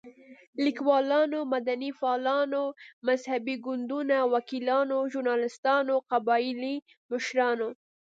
ليکوالانو، مدني فعالانو، مذهبي ګوندونو، وکيلانو، ژورناليستانو، قبايلي مشرانو